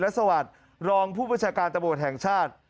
และสวัสดิ์รองผู้บัญชาการตะบดแห่งชาติ